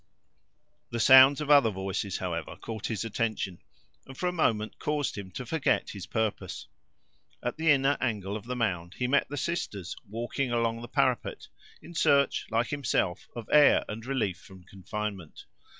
The sounds of other voices, however, caught his attention, and for a moment caused him to forget his purpose. At the inner angle of the mound he met the sisters, walking along the parapet, in search, like himself, of air and relief from confinement.